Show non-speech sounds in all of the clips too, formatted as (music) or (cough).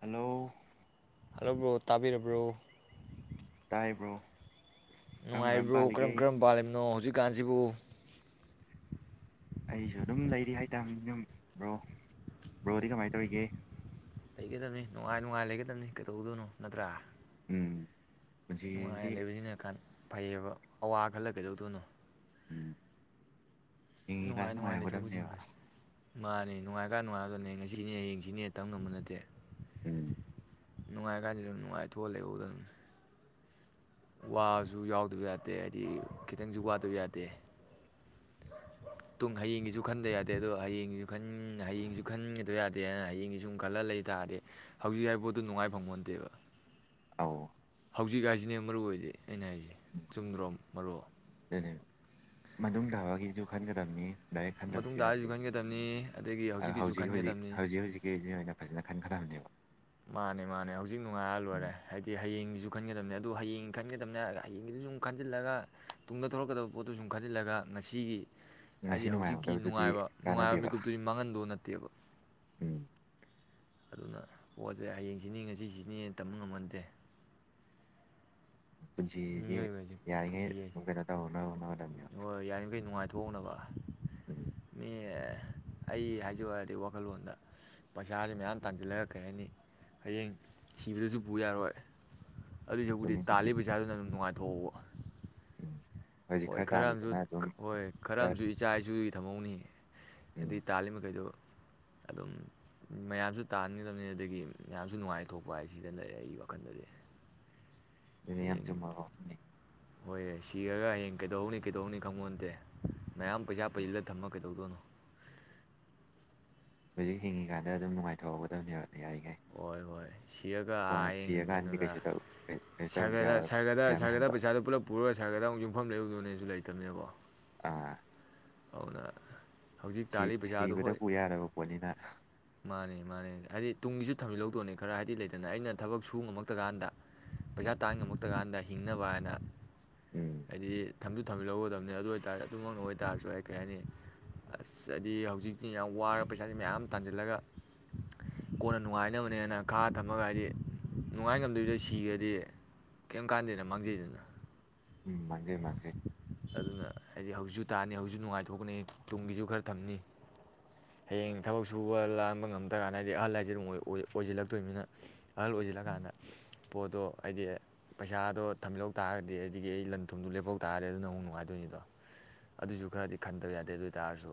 hello ꯍꯜꯂꯕ꯭ꯔꯣ ꯇꯥꯕꯤꯔꯕ꯭ꯔꯣ ꯇꯥꯏꯕ꯭ꯔꯣ ꯅꯨꯡꯉꯥꯏꯔꯤꯕ꯭ꯔꯣ ꯀꯔꯝ ꯀꯔꯝ ꯄꯥꯜꯂꯤꯕꯅꯣ ꯍꯧꯖꯤꯛꯀꯥꯟꯁꯤꯕꯨ ꯑꯩꯁꯨ ꯑꯗꯨꯝ ꯂꯩꯔꯤ ꯍꯥꯏꯇꯥꯕꯅꯤ ꯑꯗꯨꯝ ꯕ꯭ꯔꯣ ꯕ꯭ꯔꯣꯗꯤ ꯀꯃꯥꯏ ꯇꯧꯔꯤꯒꯦ ꯂꯩꯒꯗꯕꯅꯤ ꯅꯨꯡꯉꯥꯏ ꯅꯨꯡꯉꯥꯏ ꯂꯩꯒꯗꯕꯅꯤ ꯀꯩꯗꯧꯗꯣꯏꯅꯣ ꯅꯠꯇ꯭ꯔꯥ ꯎꯝ ꯄꯨꯟꯁꯤꯁꯤꯗꯤ ꯅꯨꯡꯉꯥꯏꯅ ꯂꯩꯕꯖꯤꯅꯀꯟ ꯐꯩꯌꯦꯕ ꯑꯋꯥ ꯈꯜꯂ ꯀꯩꯗꯧꯗꯣꯏꯅꯣ ꯍꯤꯡꯉꯤꯉꯥꯏ ꯅꯨꯡꯉꯥꯏ ꯍꯧꯒꯗꯧꯅꯦꯕ ꯃꯥꯅꯦ ꯅꯨꯡꯉꯥꯏꯀꯥꯟ ꯅꯨꯡꯉꯥꯏꯒꯗꯧꯅꯦ ꯉꯁꯤꯅꯦ ꯍꯌꯦꯡꯁꯤꯅꯦ ꯇꯝ ꯉꯝꯕ ꯅꯠꯇꯦ ꯎꯝ ꯅꯨꯡꯉꯥꯏ ꯀꯥꯟꯖꯤꯗ ꯅꯨꯡꯉꯥꯏꯊꯣꯛꯑ ꯂꯩꯎꯒꯗꯝꯅꯤ ꯋꯥꯕꯁꯨ ꯌꯥꯎꯗꯕ ꯌꯥꯗꯦ ꯍꯥꯏꯗꯤ ꯈꯤꯇꯪꯖꯨ ꯋꯥꯗꯕ ꯌꯥꯗꯦ ꯇꯨꯡ ꯍꯌꯦꯡꯒꯤꯁꯨ ꯈꯟꯗꯕ ꯌꯥꯗꯦ ꯑꯗꯨꯒ ꯍꯌꯦꯡꯒꯤꯁꯨ ꯈꯟ ꯍꯌꯦꯡꯁꯨ ꯈꯟꯒꯗꯕ ꯌꯥꯗꯦꯅ ꯍꯌꯦꯡꯒꯤ ꯁꯨꯝ ꯈꯜꯂ ꯂꯩ ꯇꯥꯔꯗꯤ ꯍꯧꯖꯤꯛ ꯍꯥꯏꯕ ꯄꯣꯠꯇꯣ ꯅꯨꯡꯉꯥꯏ ꯐꯪꯕꯣꯟꯇꯦꯕ ꯑꯣ ꯍꯧꯖꯤꯛ ꯍꯥꯏꯁꯤꯅꯦ ꯃꯔꯨ ꯑꯣꯏꯗꯤ ꯑꯩꯅ ꯍꯥꯏꯁꯦ ꯆꯨꯝꯗ꯭ꯔꯣꯝ ꯃꯔꯨꯞ ꯃꯇꯨꯡ ꯇꯥꯕꯒꯤꯁꯨ ꯈꯟꯒꯗꯝꯅꯤꯍꯦ ꯗꯥꯏꯔꯦꯛ ꯃꯇꯨꯡ ꯈꯟꯗꯕꯁꯨ ꯇꯥꯕꯩꯁꯨ ꯌꯥꯗꯦ ꯈꯟꯒꯗꯕꯅꯤ ꯑꯗꯒꯤ ꯑꯣ ꯍꯧꯖꯤꯛꯀꯤꯁꯨ ꯍꯧꯖꯤꯛ ꯍꯧꯖꯤꯛ ꯈꯟꯒꯗꯕꯅꯤ ꯍꯧꯖꯤꯛ ꯍꯧꯖꯤꯛꯀꯤꯖꯤ ꯑꯣꯏꯅ ꯐꯖꯅ ꯈꯟꯈꯗꯝꯅꯦꯕ ꯃꯥꯅꯦ ꯃꯥꯅꯦ ꯍꯧꯖꯤꯛ ꯅꯨꯡꯉꯥꯏꯔ ꯂꯣꯏꯔꯦ ꯍꯥꯏꯗꯤ ꯍꯌꯦꯡꯒꯤꯁꯨ ꯈꯟꯒꯗꯕꯅꯦ ꯑꯗꯨꯣ ꯍꯌꯦꯡ ꯈꯟꯒꯗꯕꯅꯦ ꯍꯥꯏꯔꯒ ꯍꯌꯦꯡꯒꯤꯗꯨ ꯁꯨꯝ ꯈꯟꯖꯤꯜꯂꯒ ꯇꯨꯡꯗ ꯊꯣꯂꯛꯀꯗꯕ ꯄꯣꯠꯇꯨ ꯁꯨꯝ ꯈꯟꯖꯤꯜꯂꯒ ꯉꯁꯤꯒꯤ ꯉꯁꯤ ꯍꯥꯏꯗꯤ ꯍꯧꯖꯤꯛꯀꯤ ꯅꯨꯡꯉꯥꯏꯍꯧꯗꯕꯗꯨꯗꯤ ꯅꯨꯡꯉꯥꯏꯕ ꯅꯨꯡꯉꯥꯏꯕ ꯀꯥꯟꯅꯗꯦꯕ ꯃꯤꯀꯨꯞꯇꯨꯗꯤ ꯃꯥꯡꯍꯟꯗꯧ ꯅꯠꯇꯦꯕ ꯎꯝ ꯑꯗꯨꯅ ꯄꯣꯠꯁꯦ ꯍꯌꯦꯡ ꯁꯤꯅꯤ ꯉꯁꯤ ꯁꯤꯅꯤ ꯇꯝꯕ ꯉꯝꯕ ꯅꯠꯇꯦ ꯄꯨꯟꯁꯤꯗꯤ ꯌꯥꯔꯤꯉꯩ ꯑꯗꯨꯝ ꯀꯩꯅꯣ ꯇꯧꯍꯧꯅꯕ ꯍꯣꯠꯅꯕ ꯑꯣ ꯌꯥꯏ ꯑꯩꯈꯣꯏ ꯅꯨꯡꯉꯥꯏꯊꯣꯛꯍꯧꯅꯕ ꯎꯝ ꯑꯦ ꯑꯩ ꯍꯥꯏꯖꯧ ꯍꯥꯏꯔꯗꯤ ꯋꯥꯈꯜꯂꯣꯟꯗ ꯄꯩꯁꯥꯁꯦ ꯃꯌꯥꯝ ꯇꯥꯟꯁꯤꯜꯂꯒ ꯀꯩ ꯍꯥꯏꯅꯤ ꯍꯌꯦꯡ ꯁꯤꯕꯗꯁꯨ ꯄꯨ ꯌꯥꯔꯣꯏ ꯑꯗꯨꯏꯁꯔꯨꯛꯄꯨꯗꯤ ꯆꯨꯝꯃꯤ ꯇꯥꯜꯂꯤ ꯆꯨꯝꯃꯤ ꯄꯩꯥꯁꯥꯗꯨꯅ ꯑꯗꯨꯝ ꯅꯨꯡꯉꯥꯏ ꯇꯧꯋꯥ ꯎꯝ ꯍꯧꯖꯤꯛ ꯍꯣꯏ ꯈꯔ ꯑꯝꯖꯨ ꯇꯥꯜꯂꯤꯗꯅ ꯑꯗꯨꯝ ꯍꯣꯏ ꯈꯔ ꯑꯝꯖꯨ ꯏꯆꯥ ꯏꯁꯨꯒꯤ ꯊꯝꯍꯧꯅꯤ ꯎꯝ ꯑꯗꯨꯏ ꯇꯥꯜꯂꯤ ꯃꯈꯩꯗꯣ ꯑꯗꯨꯝ ꯃꯌꯥꯝꯁꯨ ꯇꯥꯟꯒꯗꯕꯅꯦ ꯑꯗꯒꯤ ꯃꯌꯥꯝꯁꯨ ꯅꯨꯡꯉꯥꯏ ꯊꯣꯛꯄ ꯍꯥꯏ ꯁꯤꯗ ꯂꯩꯔꯦ ꯑꯩꯒꯤ ꯋꯥꯈꯜꯗꯗꯤ ꯑꯗꯨꯗꯤ ꯌꯥꯝ ꯍꯌꯦꯡ ꯆꯨꯝꯕ ꯋꯥꯐꯝꯅꯤ ꯍꯣꯏ ꯁꯤꯔꯒ ꯍꯌꯦꯡ ꯀꯩꯗꯧꯅꯤ ꯀꯩꯗꯧꯅꯤ ꯈꯪꯄꯣꯟꯇꯦ ꯃꯌꯥꯝ ꯄꯩꯁꯥ ꯄꯩꯖꯤꯜꯂ ꯊꯝꯃ ꯀꯩ ꯇꯧꯗꯣꯏꯅꯣ ꯍꯧꯖꯤꯛ ꯍꯤꯡꯉꯤꯀꯥꯟꯗ ꯑꯗꯨꯝ ꯅꯨꯡꯉꯥꯏꯊꯣꯛꯍꯧꯒꯗꯕꯅꯦꯕ ꯌꯥꯔꯤꯉꯩ ꯍꯣꯏ ꯍꯣꯏ ꯁꯤꯔꯒ ꯑꯥꯌꯦꯡ ꯁꯤꯔꯀꯥꯟꯗꯗꯤ ꯀꯩꯅꯣꯗ ꯀꯩꯁꯨ ꯇꯧ ꯀꯩꯁꯨ ꯇꯧꯕꯁꯨ ꯁꯥꯔꯒꯗ ꯌꯥꯔꯣꯏ ꯁꯥꯔꯒꯗ ꯄꯩꯁꯥ ꯁꯥꯔꯒꯗ ꯃꯌꯥꯝꯗꯣ ꯄꯩꯁꯥꯗꯨ ꯄꯨꯜꯂꯞ ꯄꯨꯔꯒ ꯁꯥꯔꯒꯗ ꯑꯃꯨꯛ ꯌꯨꯝꯐꯝ ꯂꯩꯔꯨꯗꯣꯅꯦꯁꯨ ꯂꯩ ꯇꯨꯝꯅꯤꯡꯉꯕꯣ ꯑꯥ (unintelligible) ꯍꯧꯖꯤꯛ ꯁꯤ ꯇꯥꯜꯂꯤ ꯄꯩꯁꯥꯗꯨꯣ ꯁꯤꯕꯗ ꯍꯣꯏ ꯄꯨ ꯌꯥꯔꯕ ꯄꯣꯠꯅꯤꯅ ꯃꯥꯅꯦ ꯃꯥꯅꯦ ꯍꯥꯏꯗꯤ ꯇꯨꯡꯒꯤꯁꯨ ꯊꯝꯖꯤꯜꯍꯧꯗꯣꯅꯦ ꯈꯔ ꯍꯥꯏꯗꯤ ꯂꯩꯗꯅ ꯑꯩꯅ ꯊꯕꯛ ꯁꯨꯕ ꯉꯝꯃꯛꯇꯀꯥꯟꯗ ꯄꯩꯁꯥ ꯇꯥꯟ ꯉꯝꯃꯛꯇꯀꯥꯟꯗ ꯍꯤꯡꯅꯕ ꯑꯅ ꯎꯝ ꯍꯥꯏꯗꯤ ꯊꯝꯁꯨ ꯊꯝꯖꯟꯍꯧꯒꯗꯕꯅꯤ ꯑꯗꯨ ꯑꯣꯏꯇꯥꯔꯦ ꯑꯗꯨꯃꯛꯅ ꯑꯣꯏꯇꯥꯔꯦ ꯁ꯭ꯋꯥꯢ ꯀꯩ ꯍꯥꯏꯅꯤ ꯑꯁ ꯍꯥꯏꯗꯤ ꯍꯧꯖꯤꯛꯇꯤ ꯌꯥꯝ ꯋꯥꯔꯕ ꯄꯩꯁꯥꯥꯁꯦ ꯃꯌꯥꯝ ꯇꯥꯟꯖꯤꯜꯂꯒ ꯀꯣꯟꯅ ꯅꯨꯡꯉꯥꯏꯅꯕꯅꯦꯅ ꯈꯥꯛꯑ ꯊꯝꯃꯒ ꯍꯥꯏꯗꯤ ꯅꯨꯡꯉꯥꯏ ꯉꯝꯗꯕꯤꯗ ꯁꯤꯈ꯭ꯔꯗꯤ ꯀꯩꯝ ꯀꯥꯟꯗꯦꯅ ꯃꯥꯡꯖꯩꯗꯅ ꯎꯝ ꯃꯥꯡꯖꯩ ꯃꯥꯡꯖꯩ ꯑꯗꯨꯅ ꯍꯥꯏꯗꯤ ꯍꯧꯖꯤꯛꯁꯨ ꯇꯥꯟꯅꯤ ꯍꯧꯖꯤꯛ ꯅꯨꯡꯉꯥꯏꯊꯣꯛꯀꯅꯤ ꯇꯨꯡꯒꯤꯁꯨ ꯈꯔ ꯊꯝꯅꯤ ꯍꯌꯦꯡ ꯊꯕꯛ ꯁꯨꯕ ꯂꯥꯟꯕ ꯉꯝꯗ꯭ꯔ ꯀꯥꯟꯗ ꯍꯥꯏꯗꯤ ꯑꯍꯜ ꯑꯁꯦ ꯑꯗꯨꯝ ꯑꯣꯏ ꯑꯣꯏꯖꯜꯂꯛꯇꯣꯏꯃꯤꯅ ꯑꯍꯜ ꯑꯣꯏꯖꯜꯂꯀꯥꯟꯗ ꯄꯣꯠꯇꯣ ꯍꯥꯏꯗꯤ ꯄꯩꯁꯥꯗꯣ ꯊꯝꯖꯤꯜꯍꯧ ꯇꯥꯔꯒꯗꯤ ꯍꯥꯏꯗꯤ ꯑꯩꯒꯤ ꯑꯩ ꯂꯟ ꯊꯨꯝꯗꯣ ꯂꯦꯞꯍꯧ ꯇꯥꯔꯗꯤ ꯑꯗꯨꯅ ꯑꯃꯨꯛ ꯅꯨꯡꯉꯥꯏꯗꯣꯏꯅꯤꯗꯣ ꯑꯗꯨꯁꯨ ꯈꯔꯗꯤ ꯈꯟꯗ ꯌꯥꯗꯦ ꯑꯗꯨ ꯑꯣꯏ ꯇꯔꯁꯨ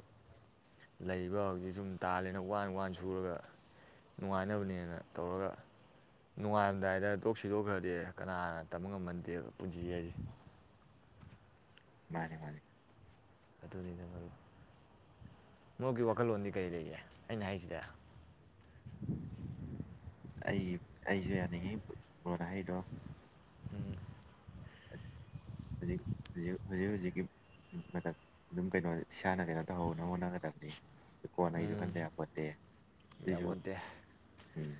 ꯂꯩꯔꯤꯕ ꯍꯧꯖꯤꯛ ꯁꯨꯝ ꯇꯥꯜꯂꯦꯅ ꯋꯥꯅ ꯋꯥꯅ ꯁꯨꯔꯒ ꯅꯨꯡꯉꯥꯏꯅꯕꯅꯦꯅ ꯇꯧꯔꯒ ꯅꯨꯡꯉꯥꯏꯔꯝꯗꯥꯏꯗ ꯇꯣꯛ ꯁꯤꯗꯣꯛꯈ꯭ꯔꯗꯤ ꯀꯅꯥꯅ ꯇꯝꯕ ꯉꯝꯕ ꯅꯠꯇꯦꯕ ꯄꯨꯟꯁꯤ ꯍꯥꯏꯁꯦ ꯃꯥꯅꯦ ꯃꯥꯅꯦ ꯑꯗꯨꯅꯤꯅ ꯃꯔꯨꯞ ꯃꯣꯏꯒꯤ ꯋꯥꯈꯜꯂꯣꯟꯗꯤ ꯀꯔꯤ ꯂꯩꯒꯦ ꯑꯩꯅ ꯍꯥꯏꯁꯤꯗ ꯑꯩ ꯑꯩꯁꯨ ꯌꯥꯅꯤꯡꯉꯤ ꯕ꯭ꯔꯣꯅ ꯍꯥꯏꯗꯣ ꯎꯝ ꯍꯧꯖꯤꯛ ꯍꯧꯖꯤꯛ ꯍꯧꯖꯤꯛ ꯍꯧꯖꯤꯛꯀꯤ ꯃꯇꯝ ꯑꯗꯨꯝ ꯀꯩꯅꯣ ꯏꯁꯥꯅ ꯀꯩꯅꯣ ꯇꯧꯍꯧꯅꯕ ꯍꯣꯠꯅꯒꯗꯕꯅꯤ ꯀꯣꯟꯅꯩꯁꯨ ꯎꯝ ꯈꯟꯗ ꯌꯥꯄꯣꯠꯇꯦ ꯑꯗꯨꯏꯁꯨ ꯌꯥꯄꯣꯟꯇꯦ ꯎꯝ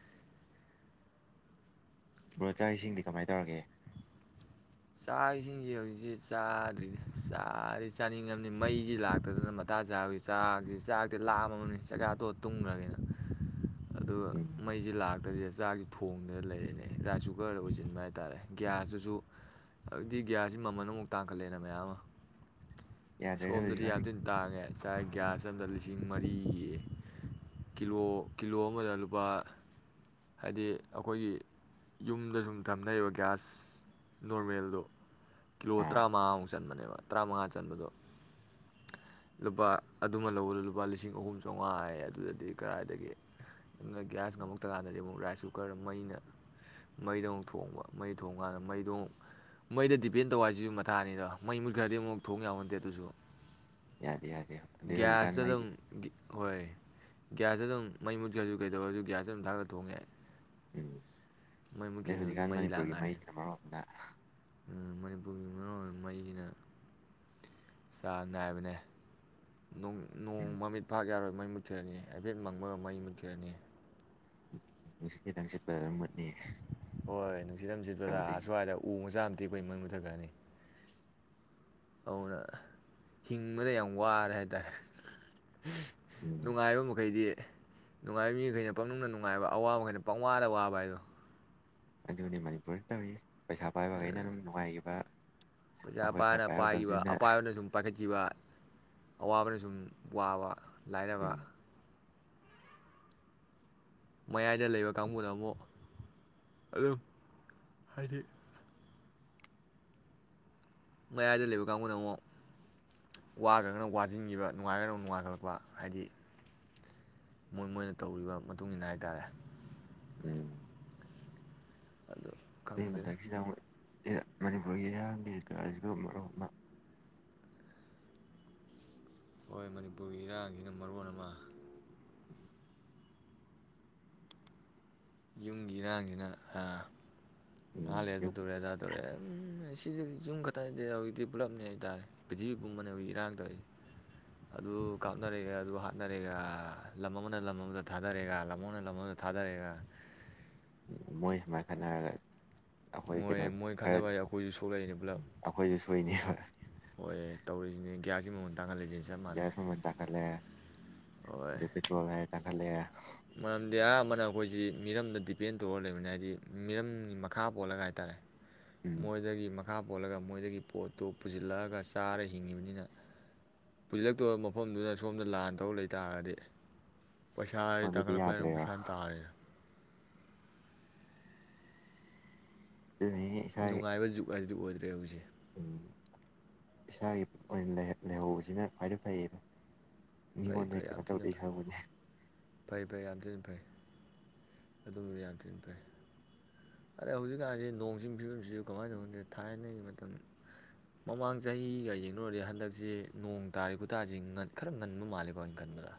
ꯕ꯭ꯔꯣ ꯆꯥꯛ ꯏꯁꯤꯡꯗꯤ ꯀꯃꯥꯏ ꯇꯧꯔꯒꯦ ꯆꯥꯛ ꯏꯁꯤꯡꯁꯦ ꯍꯧꯖꯤꯛꯁꯤ ꯆꯥꯗ꯭ꯔꯤꯗ ꯆꯥꯗꯤ ꯆꯥꯅꯤꯡꯉꯕꯅꯤ ꯃꯩꯁꯤ ꯂꯥꯛꯇꯗꯅ ꯃꯊꯥ ꯁꯥꯕꯒꯤ ꯆꯥꯛꯁꯤ ꯆꯥꯛꯇꯤ ꯂꯥꯝꯃꯝꯅꯤ ꯆꯥꯛꯆꯥ ꯇꯣꯛꯑꯒ ꯇꯨꯡꯒ꯭ꯔꯒꯦꯅ ꯑꯗꯣ ꯎꯝ ꯃꯩꯁꯦ ꯂꯥꯛꯇꯕꯤ (unintelligible) ꯆꯥꯛꯁꯤ ꯊꯣꯡꯗ ꯂꯩꯔꯤꯅꯦ ꯔꯥꯏꯁ ꯀꯨꯛꯀꯔ ꯑꯣꯏꯁꯤꯟꯕ ꯍꯥꯏꯇꯥꯔꯦ ꯒ꯭ꯌꯥꯁꯇꯨꯁꯨ ꯍꯧꯖꯤꯛꯇꯤ ꯒ꯭ꯌꯥꯁꯁꯤ ꯃꯃꯜ ꯑꯃꯨꯛ ꯇꯥꯡꯈꯠꯂꯦꯅ ꯃꯌꯥꯝ ꯑꯃ ꯌꯥꯗ꯭ꯔꯦꯅꯦ ꯁꯣꯝꯗꯗꯤ ꯍꯧꯖꯤꯛꯀꯥꯟ ꯌꯥꯝ ꯊꯤꯅ ꯇꯥꯡꯉꯦ ꯆꯥꯏ ꯒ꯭ꯌꯥꯁ ꯑꯃꯗ ꯂꯤꯁꯤꯡ ꯃꯔꯤ ꯑꯌꯦ ꯀꯤꯂꯣ ꯀꯤꯂꯣ ꯑꯃꯗ ꯂꯨꯄꯥ ꯍꯥꯏꯗꯤ ꯑꯩꯈꯣꯏꯒꯤ ꯌꯨꯝꯗ ꯁꯨꯝ ꯊꯝꯅꯔꯤꯕ ꯒ꯭ꯌꯥꯁ ꯅꯣꯔꯃꯦꯜꯗꯣ ꯀꯤꯂꯣ ꯑꯥ ꯇꯔꯥꯃꯉꯥꯃꯨꯛ ꯆꯟꯕꯅꯤ (unintelligible) ꯇꯔꯥꯃꯉꯥ ꯆꯟꯕꯗꯣ ꯂꯨꯄꯥ ꯑꯗꯨꯃ ꯂꯧꯕꯗ ꯂꯨꯄꯥ ꯂꯤꯁꯤꯡ ꯑꯍꯨꯝ ꯆꯥꯝꯉꯥ ꯍꯥꯏꯌꯦ ꯑꯗꯨꯗꯗꯤ ꯀꯔꯥꯏꯗꯒꯤ (unintelligible) ꯒꯌꯥ꯭ꯁ ꯉꯃꯛꯇꯀꯥꯟꯗꯗꯤ ꯑꯃꯨꯛ ꯔꯥꯏꯁ ꯀꯨꯀꯔ ꯀꯨꯀꯔꯗ ꯃꯩꯅ ꯃꯩꯗꯣ ꯑꯃꯨꯛ ꯊꯣꯡꯕ ꯃꯩ ꯊꯣꯡꯀꯥꯟꯗ ꯃꯩꯗꯣ ꯑꯃꯨꯛ ꯃꯩꯗ ꯗꯤꯄꯦꯟ ꯇꯧꯕ ꯍꯥꯏꯁꯤꯁꯨ ꯃꯊꯥꯅꯤꯗꯣ ꯃꯩ ꯃꯨꯠꯈ꯭ꯔꯗꯤ ꯑꯃꯨꯛ ꯊꯣꯡ ꯌꯥꯄꯣꯟꯇꯦ ꯑꯗꯨꯁꯨ ꯌꯥꯗꯦ ꯌꯥꯗꯦ ꯑꯗꯩ ꯍꯧꯖꯤꯛꯀꯥꯟ ꯒ꯭ꯁꯇ ꯑꯗꯨꯝ ꯃꯩꯁꯦ ꯍꯣꯏ ꯒ꯭ꯌꯥꯁꯇ ꯑꯗꯨꯝ ꯃꯩ ꯃꯨꯠꯈ꯭ꯔꯁꯨ ꯀꯩꯗꯧꯔꯁꯨ ꯒ꯭ꯌꯥꯁꯇ ꯑꯗꯨꯝ ꯊꯥꯒꯒꯠꯂꯒ ꯊꯣꯡ ꯌꯥꯏ ꯎꯝ ꯃꯩ ꯅꯣꯏ ꯃꯨꯠꯈꯤꯕꯅꯕꯨꯗꯤ ꯍꯧꯖꯤꯛꯀꯥꯟ ꯃꯩ ꯃꯅꯤꯄꯨꯔꯒꯤ ꯃꯩꯁꯤꯅ ꯃꯔꯣꯟ ꯑꯃ ꯎꯝ ꯃꯅꯤꯄꯨꯔꯒꯤ ꯃꯔꯨꯑꯣꯏꯕ ꯃꯩꯁꯤꯅ ꯆꯥꯡ ꯅꯥꯏꯕꯅꯦ ꯅꯣꯡ ꯅꯣꯡ ꯎꯝ ꯃꯃꯤꯠ ꯐꯥꯛ ꯌꯥꯔꯣꯏ ꯃꯩ ꯃꯨꯠꯈ꯭ꯔꯅꯤ ꯍꯥꯏꯐꯦꯠ ꯃꯪꯡꯕꯒ ꯃꯩ ꯃꯨꯠꯈ꯭ꯔꯅꯤ ꯅꯨꯡꯁꯤꯇ ꯀꯤꯗꯥꯡ ꯁꯤꯠꯄꯩꯔꯥ ꯃꯨꯗ ꯍꯣꯏ ꯅꯨꯡꯁꯤꯠ ꯑꯃ ꯆꯠꯄꯗ ꯇꯧꯗꯣꯏꯁꯦ ꯑꯁ꯭ꯋꯥꯏꯗ ꯎ ꯃꯆꯥ ꯇꯤ ꯑꯥꯈꯣꯏ ꯃꯩ ꯃꯨꯊꯛꯈꯔꯥꯅꯤ ꯑꯗꯨꯅ ꯍꯤꯡꯕꯗ ꯌꯥꯝ ꯋꯥꯔꯦ ꯍꯥꯏꯇꯥꯔꯦ ꯎꯝ ꯅꯨꯡꯉꯥꯏꯕ ꯃꯈꯩꯗꯤ ꯑꯦ ꯅꯨꯡꯉꯥꯏꯕ ꯃꯤꯈꯩꯅ ꯄꯪꯅꯨꯡꯗ ꯅꯨꯡꯉꯥꯏꯕ ꯑꯋꯥꯕꯈꯩꯅ ꯄꯪꯋꯥꯗ ꯋꯥꯕ ꯍꯥꯏꯗꯣ ꯑꯗꯨꯅꯤ ꯃꯅꯤꯄꯨꯔꯗ ꯇꯧꯔꯤꯁꯤ ꯄꯩꯁꯥ ꯄꯥꯏꯕ ꯃꯩꯅ ꯑꯗꯨꯝ ꯅꯨꯡꯉꯥꯏꯈꯤꯕ ꯑꯩꯈꯣꯏ ꯈꯔ ꯄꯩꯆꯥꯥꯄꯥꯅ ꯄꯥꯏꯒꯤꯕ ꯄꯥꯏꯍꯧꯗꯕꯁꯤꯅ ꯑꯄꯥꯥꯏꯕꯅ ꯁꯨꯝ ꯄꯥꯏꯈꯠꯈꯤꯕ ꯑꯋꯥꯕꯅ ꯁꯨꯝ ꯋꯥꯕ ꯂꯥꯏꯔꯕ ꯎꯝ ꯃꯌꯥꯏꯗ ꯂꯩꯕ ꯀꯥꯡꯕꯨꯅ ꯑꯃꯨꯛ ꯑꯗꯨꯝ ꯍꯥꯏꯗꯤ ꯃꯌꯥꯏꯗ ꯂꯩꯕ ꯀꯥꯡꯕꯨꯅ ꯑꯃꯨꯛ ꯋꯥꯈ꯭ꯔꯒꯅ ꯋꯥꯁꯤꯟꯈꯤꯕ ꯅꯨꯡꯉꯥꯏꯈ꯭ꯔꯒꯅ ꯑꯃꯨꯛ ꯅꯨꯡꯉꯥꯏꯈꯠꯂꯛꯄ ꯍꯥꯏꯗꯤ ꯃꯣꯏ ꯃꯣꯏꯅ ꯇꯧꯔꯤꯕ ꯃꯇꯨꯡ ꯏꯟꯅ ꯍꯥꯏꯇꯥꯔꯦ ꯎꯝ ꯑꯗꯨ ꯑꯗꯨꯏ ꯈꯪꯗꯦꯗ ꯃꯊꯥꯀꯁꯤꯗ ꯑꯃꯨꯛ ꯃꯅꯤꯄꯨꯔꯒꯤ ꯏꯔꯥꯡꯗꯤ (unintelligible) ꯃꯔꯣ ꯑꯃ ꯍꯣꯏ ꯃꯅꯤꯄꯨꯔꯒꯤ ꯏꯔꯥꯡꯁꯤꯅ ꯃꯔꯣꯟ ꯑꯃ ꯌꯨꯝꯒꯤ ꯏꯔꯥꯡꯁꯤꯅ ꯑ ꯉꯥꯏꯍꯛ ꯎꯝ ꯂꯩꯔ ꯑꯗꯨ ꯇꯧꯔꯦ ꯑꯗꯥ ꯇꯧꯔꯦ ꯎꯝ ꯁꯤꯁꯤ ꯌꯨꯝ ꯈꯛꯇ ꯅꯥꯇꯦꯗ ꯍꯧꯖꯤꯛꯇꯤ ꯄꯨꯜꯂꯞꯅꯦ ꯍꯥꯏꯇꯥꯔꯦ ꯄ꯭ꯔꯤꯊꯤꯕꯤ ꯄꯨꯝꯕꯅꯦ ꯍꯧꯖꯤꯛ ꯏꯔꯥꯡ ꯇꯧ ꯑꯗꯨ ꯀꯥꯞꯅꯔꯦꯒ ꯑꯗꯨ ꯍꯥꯠꯅꯔꯦꯒ ꯂꯝ ꯑꯃꯅ ꯂꯝ ꯑꯃꯗ ꯊꯥꯗꯔꯦꯒ ꯂꯝ ꯑꯃꯧꯅ ꯂꯝꯍꯧꯗ ꯊꯥꯗꯔꯦꯒ ꯃꯣꯏ ꯁꯨꯃꯥꯏꯅ ꯈꯠꯅꯔꯒ ꯑꯩꯈꯣꯏ ꯃꯣꯏ ꯀꯩꯅꯣ ꯃꯣꯏ ꯈꯔ ꯈꯠꯅꯕ ꯑꯩꯈꯣꯏꯁꯨ ꯁꯣꯛꯂꯛꯏꯅꯦ ꯄꯨꯂꯞ ꯑꯩꯈꯣꯏꯁꯨ ꯁꯣꯏꯅꯦꯕ ꯍꯣꯏ ꯇꯧꯔꯤꯁꯤꯅꯤ ꯒ꯭ꯌꯥꯁꯀꯤ ꯃꯃꯟ ꯒꯤꯌꯁ ꯃꯃꯥꯟ ꯇꯥꯪꯈꯠꯂꯦ ꯍꯣꯏ ꯄꯦꯇ꯭ꯔꯣꯜ ꯍꯥꯏꯔꯦ ꯇꯥꯪꯈꯠꯂꯦ ꯃꯔꯝꯗꯤ ꯑꯌꯥꯝꯕꯅ ꯑꯩꯈꯣꯏꯁꯤ ꯃꯤꯔꯝꯗ ꯗꯤꯄꯦꯟ ꯇꯧꯔ ꯂꯩꯕꯅꯤ ꯍꯥꯏꯗꯤ ꯃꯤꯔꯝꯒꯤ ꯃꯈꯥ ꯄꯣꯜꯂꯒ ꯍꯥꯏꯇꯥꯔꯦ ꯎꯝ ꯃꯣꯏꯗꯒꯤ ꯃꯤꯈꯥ ꯄꯣꯜꯂꯒ ꯃꯣꯏꯗꯒꯤ ꯄꯣꯠꯇꯨ ꯄꯨꯁꯤꯜꯂꯛꯑꯒ ꯆꯥꯔ ꯍꯤꯡꯉꯤꯕꯅꯤꯅ ꯄꯨꯁꯤꯜꯂꯛꯇꯣꯏꯕ ꯃꯐꯝꯗꯨꯗ ꯁꯣꯝꯗ ꯂꯥꯟ ꯇꯧ ꯂꯩꯇꯥꯥꯔꯒꯗꯤ ꯄꯩꯁꯥ ꯁꯣꯝꯗꯗꯤ ꯇꯥꯡꯒꯠꯂꯛꯄ ꯍꯥꯌꯁꯤ ꯌꯥꯗ꯭ꯔꯦꯕ ꯃꯁꯥꯅ ꯇꯥꯕꯅꯤ ꯑꯗꯨꯅ ꯏꯁꯥꯒꯤ ꯅꯨꯡꯉꯥꯏꯕ ꯖꯨꯛ ꯍꯥꯏ ꯑꯗꯨ ꯑꯣꯏꯗ꯭ꯔꯦ ꯍꯧꯖꯤꯛꯁꯦ ꯎꯝ ꯏꯁꯥꯒꯤ ꯑꯣꯏꯅ ꯂꯩꯍꯧꯕꯁꯤꯅ ꯈ꯭ꯋꯥꯏꯗꯩ ꯐꯩꯌꯦ ꯐꯩ ꯃꯤꯉꯣꯟꯗꯩꯩ ꯐꯩ ꯌꯥꯝ ꯀꯩꯅ ꯊꯤꯅ ꯇꯧꯗꯣꯏ ꯐꯩ ꯁꯔꯨꯛ ꯄꯨꯗꯤ ꯐꯩ ꯐꯩ ꯌꯥꯝꯊꯤꯟ ꯐꯩ ꯑꯗꯨꯝꯕ ꯌꯥꯝꯊꯤꯅ ꯐꯩ ꯑꯗꯩ ꯍꯧꯖꯤꯛꯀꯥꯟꯁꯤ ꯅꯣꯡ ꯆꯤꯡꯒꯤ ꯐꯤꯕꯝꯁꯤꯁꯨ ꯀꯃꯥꯏꯅ ꯇꯧꯗꯦ ꯊꯥꯏꯅꯒꯤ ꯃꯇꯝ ꯃꯃꯥꯡ ꯆꯍꯤꯒ ꯌꯦꯡꯅꯨꯔꯗꯤ ꯍꯟꯗꯛꯁꯤ ꯅꯣꯡ ꯇꯥꯔꯤ ꯈꯨꯨꯇꯥꯁꯤ ꯈꯔ ꯉꯟꯕ ꯃꯥꯜꯂꯦꯀꯣ ꯑꯩꯅ ꯈꯟꯕꯗ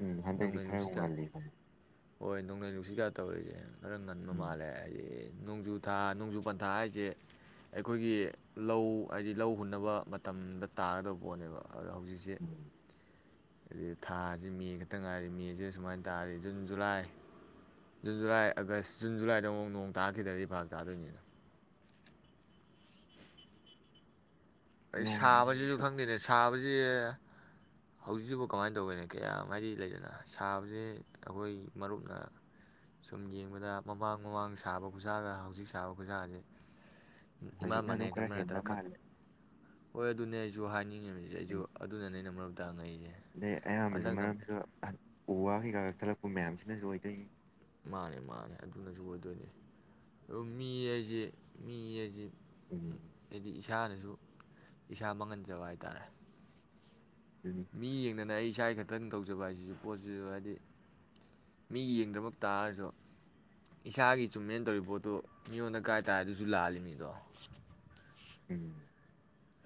ꯎꯝ ꯍꯟꯗꯛꯇꯤ ꯅꯣꯡꯂꯩ ꯈꯔ ꯅꯨꯡꯁꯤꯠꯀꯥ ꯉꯜꯂꯤ ꯍꯣꯏ ꯅꯣꯡꯂꯩ ꯅꯨꯡꯁꯤꯠꯀꯥ ꯇꯧꯔꯤꯁꯦ ꯈꯔ ꯉꯟꯕ ꯎꯝ ꯃꯥꯜꯂꯦ ꯍꯥꯏꯦ ꯍꯥꯏꯗꯤ ꯅꯣꯡꯖꯨ ꯊꯥ ꯅꯣꯡꯖꯨ ꯄꯟꯊꯥ ꯍꯥꯏꯁꯦ ꯑꯩꯈꯣꯏꯒꯤ ꯂꯧ ꯍꯥꯏꯗꯤ ꯂꯧ ꯍꯨꯟꯅꯕ ꯃꯇꯝꯗ ꯇꯥꯒꯗꯕ ꯄꯣꯠꯅꯦꯕ ꯑ ꯍꯧꯖꯤꯛꯁꯦ ꯎꯝ ꯑꯩ ꯊꯥꯁꯤ ꯃꯦ ꯈꯛꯇ ꯉꯥꯏꯔꯤ ꯃꯦꯁꯤꯗ ꯁꯨꯃꯥꯏꯅ ꯇꯥꯔꯗꯤ June July June July August June ꯖꯨꯂꯥꯏꯗ ꯑꯃꯨꯛ ꯅꯣꯡ ꯇꯥꯈꯤꯗꯕꯗꯤ ꯚꯥꯥꯛ ꯆꯥꯗꯣꯏꯅꯤꯅ ꯑꯩ ꯅꯣꯡ ꯁꯥꯕꯁꯤꯁꯨ ꯁꯤꯡꯁꯤꯁꯨ ꯈꯪꯗꯦꯅꯦ ꯁꯥꯕꯁꯤ ꯍꯧꯖꯤꯛꯁꯤꯕꯨ ꯀꯃꯥꯏꯅ ꯇꯧꯒꯅꯦ ꯀꯌꯥ ꯍꯥꯏꯗꯤ ꯂꯩꯗꯅ ꯁꯥꯕꯁꯦ ꯑꯩꯈꯣꯏ ꯃꯔꯨꯞꯅ ꯁꯨꯝ ꯌꯦꯡꯕꯗ ꯃꯃꯥꯡ ꯃꯃꯥꯡ ꯁꯥꯕ ꯈꯨꯠꯁꯥꯒ ꯍꯧꯖꯤꯛ ꯁꯥꯕ ꯈꯨꯠꯁꯥꯁꯦ ꯏꯃꯥꯟ ꯍꯧꯖꯤꯛꯅ ꯑꯗꯨꯝ ꯃꯥꯟꯅꯩ ꯈꯔ ꯈꯟꯕ ꯍꯦꯟꯕ ꯅꯠꯇ꯭ꯔ ꯈꯛ ꯃꯥꯍꯜꯂꯦ ꯍꯣꯏ ꯑꯗꯨꯅꯦ ꯖꯨꯍꯥꯅꯤ ꯉꯤꯁꯦ ꯑꯩꯁꯨ ꯑꯗꯨꯅꯅꯦ ꯑꯩꯅ ꯃꯔꯨꯞꯇꯉꯛꯏꯁꯦ ꯑꯗꯩ ꯑꯌꯥꯝꯕꯁꯨ ꯍꯟꯗꯛꯅ ꯑꯃ ꯃꯔꯝꯁꯨ ꯎ ꯋꯥ ꯀꯩꯀꯥ ꯀ ꯊꯠꯂꯛꯄ ꯃꯌꯥꯝꯁꯤꯅꯁꯨ ꯑꯣꯏꯗꯣꯏꯏꯅꯤ ꯃꯥꯅꯦ ꯃꯥꯅꯦ ꯑꯗꯨꯅꯁꯨ ꯑꯣꯏꯗꯣꯏꯅꯦ ꯑꯗꯨ ꯃꯤ ꯍꯥꯏꯁꯤ ꯃꯤ ꯍꯥꯏꯁꯤ ꯎꯝ ꯏꯁꯥꯅꯁꯨ ꯏꯁꯥ ꯃꯥꯡꯍꯟꯖꯕ ꯍꯥꯏꯇꯥꯔꯦ ꯑꯗꯨꯅꯤ ꯃꯤ ꯌꯦꯡꯗꯅ ꯑꯩ ꯏꯁꯥ ꯈꯛꯇꯪ ꯇꯧꯖꯕ ꯍꯥꯏꯁꯤꯁꯨ ꯄꯣꯠꯁꯤꯁꯨ ꯍꯥꯏꯗꯤ ꯃꯤ ꯌꯦꯡꯗꯕ ꯇꯥꯔꯁꯨ ꯏꯁꯥꯒꯤ ꯆꯨꯝꯃꯦꯦꯟ ꯇꯧꯔꯤꯕ ꯄꯣꯠꯇꯨ ꯃꯤꯉꯣꯟꯗ ꯀꯥꯏꯇꯥꯥꯔ ꯑꯗꯨꯁꯨ ꯂꯥꯜꯂꯤ ꯃꯤꯗꯣ ꯎꯝ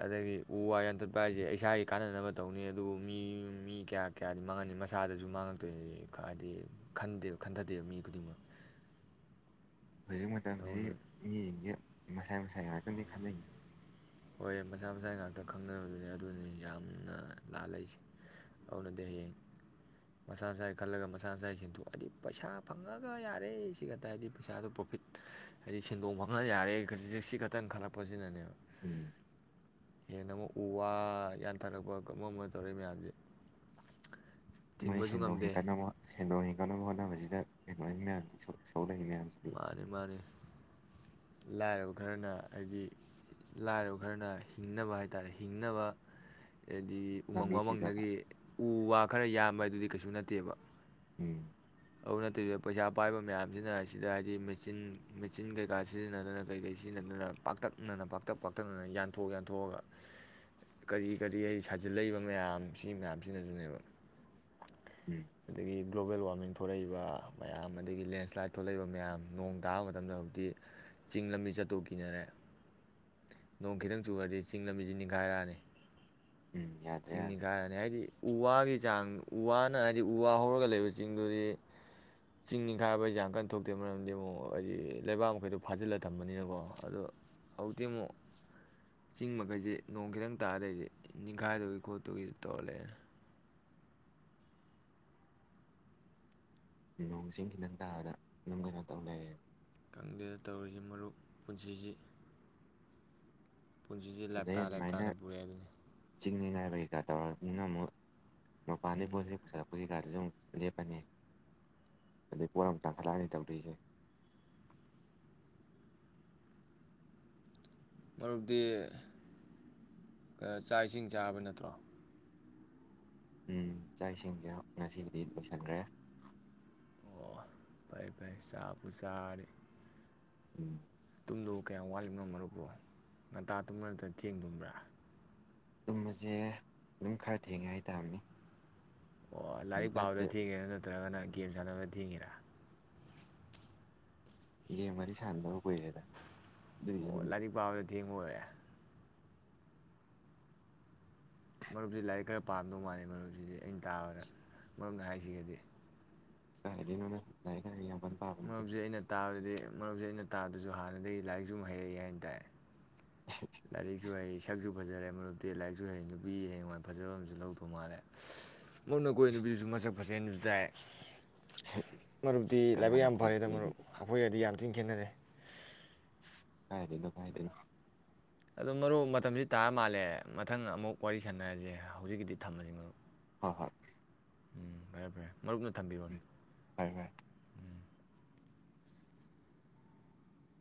ꯑꯗꯒꯤ ꯎ ꯋꯥ ꯌꯥꯟꯊꯠꯄ ꯍꯥꯏꯁꯦ ꯏꯁꯥꯒꯤ ꯀꯥꯟꯅꯅꯕ ꯇꯧꯅꯤ ꯑꯗꯨꯕꯨ ꯃꯤ ꯃꯤ ꯀꯌꯥ ꯀꯌꯥꯗꯤ ꯃꯥꯡꯍꯟꯅꯤ ꯃꯁꯥꯗꯁꯨ ꯃꯥꯡꯉꯛꯇꯣꯏꯅ ꯍꯥꯏꯗꯤꯗꯦ ꯈꯟꯊꯗꯦꯕ ꯃꯤ ꯈꯨꯗꯤꯡꯃꯛ ꯍꯧꯖꯤꯛ ꯃꯇꯝꯁꯤ ꯑꯗꯨꯅ ꯃꯤ ꯌꯦꯡꯁꯤꯦ ꯃꯁꯥꯏ ꯃꯁꯥꯏ ꯉꯥꯛꯇꯅꯤ ꯈꯟꯅꯩ ꯍꯣꯏ ꯃꯆꯥ ꯃꯆꯥꯥꯒꯤ ꯉꯥꯛꯇ ꯈꯪꯅꯕꯗꯨꯅꯦ ꯑꯗꯨꯅꯤ ꯌꯥꯝꯅ ꯂꯥꯜꯂꯛꯏꯁꯦ ꯑꯗꯨꯅꯗꯤ ꯍꯌꯦꯡ ꯃꯆꯥ ꯃꯆꯥꯥꯒꯤ ꯈꯜꯂꯒ ꯃꯆꯥ ꯃꯆꯥꯥꯏ ꯁꯦꯟꯊꯣꯛ ꯍꯥꯏꯗꯤ ꯄꯩꯁꯥ ꯐꯪꯉꯒ ꯌꯥꯔꯦ ꯁꯤ ꯈꯛꯇ ꯍꯥꯏꯗꯤ ꯄꯩꯁꯥꯗꯣ ꯄ꯭ꯔꯣꯐꯤꯠ ꯍꯥꯏꯗꯤ ꯁꯦꯟꯗꯣꯡ ꯐꯪꯉ ꯌꯥꯔꯦ ꯁꯤ ꯈꯛꯇꯪ ꯈꯜꯂꯛꯄꯁꯤꯅꯅꯦꯕ ꯍꯅ ꯎꯝ ꯑꯃꯣ ꯎ ꯋꯥ ꯌꯥꯟꯊꯔꯛꯄ ꯑꯃ ꯑꯃ ꯇꯧꯔꯛꯏ ꯃꯌꯥꯝꯁꯦ ꯃꯥꯏ ꯊꯤꯡꯕꯁꯨ ꯁꯦꯟꯗꯣꯡ ꯉꯝꯗꯦ ꯍꯦꯟꯒꯠꯅꯕ ꯁꯦꯟꯗꯣꯡ ꯍꯤꯡꯒꯠꯅꯕ ꯍꯣꯠꯅ ꯁꯥꯟꯠꯅꯕꯁꯤꯗ ꯀꯩꯅꯣ ꯑꯅꯤ ꯃꯌꯥꯝꯁꯤꯁꯨ ꯃꯥꯔꯤ ꯃꯥꯔꯤ ꯂꯥꯏꯔꯕ ꯈꯔꯅ ꯍꯥꯏꯗꯤ ꯂꯥꯏꯔꯕ ꯈꯔꯅ ꯍꯤꯡꯅꯕ ꯍꯥꯏ ꯇꯥꯔꯦ ꯍꯤꯡꯅꯕ ꯑꯗꯤ ꯎꯃꯪ ꯂꯝꯕꯤ ꯊꯤꯖꯕ ꯋꯥꯃꯪꯗꯒꯤ ꯎ ꯋꯥ ꯈꯔ ꯌꯥꯝꯕ ꯑꯗꯨꯗꯤ ꯀꯩꯁꯨ ꯅꯠꯇꯦꯕ ꯎꯝ ꯑꯗꯨ ꯅꯠꯇꯕꯤꯗ ꯄꯩꯁꯥ ꯄꯥꯏꯕ ꯃꯌꯥꯝꯁꯤꯅ ꯁꯤꯗ ꯍꯥꯏꯗꯤ ꯃꯦꯆꯤꯟ ꯃꯦꯆꯤꯟ ꯀꯩꯀꯥ ꯁꯤꯖꯤꯟꯅꯗꯅ ꯀꯩ ꯀꯩ ꯁꯤꯖꯤꯟꯅꯗꯅ ꯄꯥꯛꯇꯛꯅꯅ ꯄꯥꯛꯇꯛ ꯄꯥꯛꯇꯛꯅꯅ ꯌꯥꯟꯊꯣꯛ ꯌꯥꯟꯊꯣꯛꯑꯒ ꯀꯔꯤ ꯀꯔꯤ ꯍꯥꯏ ꯁꯥꯖꯤꯜꯂꯛꯏꯕ ꯃꯌꯥꯝ ꯁꯤ ꯃꯌꯥꯝꯁꯤꯅꯁꯨꯅꯦꯕ ꯎꯝ ꯑꯗꯒꯤ ꯒ꯭ꯂꯣꯕꯦꯜ ꯋꯥꯔꯃꯤ ꯊꯂꯛꯏꯕ ꯃꯌꯥꯝ ꯑꯗꯒꯤ ꯂꯦꯟꯁ꯭ꯂꯥꯏꯠ ꯊꯣꯛꯂꯛꯏꯕ ꯃꯌꯥꯝ ꯅꯣꯡ ꯇꯥꯕ ꯃꯇꯝꯗ ꯍꯧꯖꯤꯛꯇꯤ ꯆꯤꯡ ꯂꯝꯕꯤ ꯆꯠꯇꯣꯛ ꯀꯤꯅꯔꯦ ꯅꯣꯡ ꯈꯤꯇꯪ ꯆꯨꯔꯗꯤ ꯆꯤꯡ ꯂꯝꯕꯤꯁꯤ ꯅꯤꯡꯈꯥꯏꯔꯛꯑꯅꯤ ꯎꯝ ꯌꯥꯗ꯭ꯔꯦ ꯆꯤꯡꯅꯤ ꯌꯥꯗ꯭ꯔꯦ ꯀꯥꯏꯔꯅꯤ ꯍꯥꯏꯗꯤ ꯎ ꯋꯥꯒꯤ ꯆꯥꯡ ꯋꯥꯅ ꯍꯥꯏꯗꯤ ꯎ ꯋꯥ ꯍꯧꯔꯒ ꯂꯩꯕ ꯆꯤꯡꯗꯨꯗꯤ ꯆꯤꯡ ꯅꯤꯡꯈꯥꯏꯕ ꯍꯥꯏꯁꯦ ꯌꯥꯝ ꯀꯟ ꯊꯣꯛꯇꯦ ꯃꯔꯝꯗꯤ ꯑꯃꯨꯛ ꯍꯥꯏꯗꯤ ꯂꯩꯕꯥꯛ ꯃꯈꯩꯗꯣ ꯐꯥꯖꯤꯜꯂ ꯊꯝꯕꯅꯤꯅꯀꯣ ꯑꯗꯣ ꯍꯧꯖꯤꯛꯇꯤ ꯑꯃꯨꯛ ꯆꯤꯡ ꯃꯈꯩꯁꯤꯦ ꯅꯣꯡ ꯈꯤꯇꯪ ꯇꯥꯔꯗꯗꯤ ꯅꯤꯡꯈꯥꯏꯗꯒꯤ ꯈꯣꯠꯇꯒꯤ ꯇꯧꯔꯂꯦ ꯅꯣꯡ ꯆꯤꯡ ꯈꯤꯗꯪ ꯇꯥꯕꯗ ꯑꯗꯨꯝ ꯀꯩꯅꯣ ꯇꯧ ꯂꯩꯔꯦ ꯈꯪꯗꯦꯗ ꯇꯧꯔꯤꯁꯤ ꯃꯔꯨꯞ ꯄꯨꯟꯁꯤꯁꯤ ꯄꯨꯟꯁꯤꯁꯦ ꯂꯥꯏꯞꯇꯥ ꯂꯥꯏꯞꯇꯥꯅ ꯄꯨꯔꯦ ꯍꯥꯏꯗꯨꯅꯤ ꯆꯤꯡꯅꯤꯉꯥꯏ ꯂꯩꯀꯥ ꯇꯧꯔꯗꯤꯅ ꯑꯃꯨꯛ ꯃꯄꯥꯟꯗꯩ ꯎꯝ ꯄꯣꯠ-ꯆꯩ ꯄꯨꯁꯤꯜꯂꯛꯄꯁꯤ ꯄꯥꯗꯁꯨ ꯑꯃꯨꯛ ꯂꯦꯞꯄꯅꯤ ꯑꯗꯩ ꯄꯣꯠ ꯑꯃꯨꯛ ꯇꯥꯡꯈꯠꯂꯛꯑꯅꯤ ꯇꯧꯗꯣꯏꯁꯦ ꯃꯔꯨꯞꯇꯤ ꯆꯥꯛ ꯏꯁꯤꯡ ꯆꯥꯔꯕ ꯅꯠꯇ꯭ꯔꯣ ꯎꯝ ꯆꯥꯛꯁꯤꯡꯁꯦ ꯉꯁꯤꯗꯤ ꯂꯣꯏꯁꯤꯟꯒ꯭ꯔꯦ ꯄꯥꯏ ꯄꯥꯏ ꯆꯥꯛꯄꯨ ꯆꯥꯔꯤ ꯎꯨꯝ ꯇꯨꯝꯗꯣ ꯀꯌꯥꯝ ꯋꯥꯠꯂꯤꯕꯅꯣ ꯃꯔꯨꯞꯄꯣ ꯉꯟꯇꯥ ꯇꯨꯝꯕ꯭ꯔ ꯅꯠꯇ꯭ꯔꯒ ꯊꯦꯡ ꯇꯨꯝꯕ꯭ꯔꯥ ꯇꯨꯝꯕꯁꯦ ꯑꯗꯨꯝ ꯈꯔ ꯊꯦꯡꯉꯦ ꯍꯥꯏꯇꯥꯥꯕꯅꯤ ꯑꯣ ꯂꯥꯏꯔꯤꯛ ꯍꯧꯖꯤꯛꯀꯥꯟꯁꯦ ꯄꯥꯕꯗ ꯊꯤꯉꯤꯔꯥ ꯅꯠꯇ ꯇ꯭ꯔꯒꯅ ꯒꯦꯝ ꯁꯥꯟꯅꯕꯗ ꯊꯦꯡꯉꯤꯔꯥ ꯒꯦꯝꯒꯥꯖꯤ ꯁꯥꯟꯅꯗꯕ ꯀꯨꯏꯔꯦꯗꯥ ꯑꯣ ꯂꯥꯏꯔꯤꯛ ꯄꯥꯕ ꯇꯦꯡꯑꯣꯏꯔꯦ ꯃꯔꯨꯞꯁꯤ ꯂꯥꯏꯔꯤꯛ ꯈꯔ ꯄꯥꯝꯔꯝꯗꯧ ꯃꯥꯜꯂꯤ ꯃꯔꯨꯞꯁꯤꯗꯤ ꯑꯩꯅ ꯇꯥꯕꯗ ꯃꯔꯨꯞꯅ ꯍꯥꯏꯁꯤꯒꯗꯤ ꯀꯥꯏꯗꯩꯅꯣꯗ ꯃꯔꯨꯞꯁꯦ ꯑꯩꯅ ꯇꯥꯕꯗꯗꯤ ꯃꯔꯨꯞꯁꯦ ꯑꯩꯅ ꯇꯥꯕꯁꯨ ꯍꯥꯟꯅꯗꯒꯤ ꯂꯥꯏꯔꯤꯛꯁꯨ ꯍꯩꯔꯛꯏ ꯍꯥꯏꯅ ꯇꯥꯏ ꯂꯔꯤꯁꯨ ꯍꯩꯏ ꯁ ꯁꯛꯁꯨ ꯐꯖꯔꯦ ꯃꯔꯨꯞꯇꯤ ꯂꯥꯏꯔꯤꯛꯁꯨ ꯍꯩ ꯅꯨꯄꯤ ꯍꯌꯦꯡꯋꯥꯏ ꯐꯖꯕ ꯑꯃꯁꯨ ꯂꯧꯗꯧ ꯃꯥꯜꯂꯦ ꯔꯨꯝꯅ ꯀꯣꯏ ꯅꯨꯄꯤꯁꯤꯁꯨ ꯃꯁ ꯐꯖꯩ ꯍꯥꯏꯅꯁꯨ ꯇꯥꯏ ꯃꯔꯨꯞꯇꯤ ꯂꯥꯏꯕꯛ ꯌꯥꯝ ꯀꯅꯥꯅꯕꯨ ꯐꯔꯦꯗ ꯃꯔꯨꯞ ꯍꯩꯖꯤꯜꯂꯤꯅꯣꯗ ꯑꯩꯈꯣꯏꯒꯗꯤ ꯌꯥꯝꯦ ꯊꯤꯟ ꯈꯦꯠꯅꯔꯦ ꯀꯥꯏꯗꯩꯅꯣ ꯀꯥꯏꯗꯩꯅꯣ ꯑꯗꯣ ꯃꯔꯨꯞ ꯃꯇꯝꯁꯤ ꯇꯥꯔ ꯃꯥꯜꯂꯦ ꯃꯊꯪ ꯑꯃꯨꯛ ꯋꯥꯔꯤ ꯁꯥꯟꯅꯔꯁꯦ ꯍꯧꯖꯤꯛꯀꯤꯗꯤ ꯊꯝꯃꯁꯤ ꯃꯔꯨ ꯍꯣꯏ-ꯍꯣꯏ ꯎꯨꯝ ꯐꯔꯦ ꯐꯔꯦ ꯃꯔꯨꯞꯅ ꯊꯝꯕꯤꯔꯣꯅꯦ ꯐꯔꯦ ꯐꯔꯦ ꯎꯨꯝ